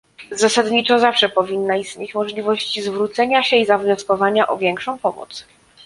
Zasadniczo zawsze powinna istnieć możliwość zwrócenia się i zawnioskowania o większą pomoc